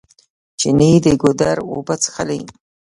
چڼې د ګودر اوبه څښلې.